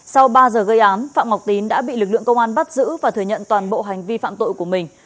sau ba giờ gây án phạm ngọc tín đã bị lực lượng công an bắt giữ và thừa nhận toàn bộ hành vi phạm tội của mình